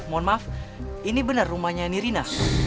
mohon maaf ini bener rumahnya mirina